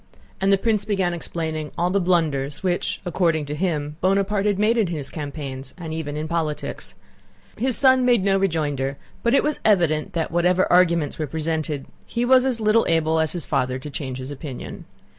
And the prince began explaining all the blunders which, according to him, Bonaparte had made in his campaigns and even in politics. His son made no rejoinder, but it was evident that whatever arguments were presented he was as little able as his father to change his opinion.